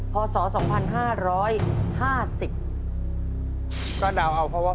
ก็เดาเอาเพราะว่าฟังมากนะครับ